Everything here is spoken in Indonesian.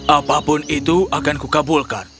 apapun itu akan kukabulkan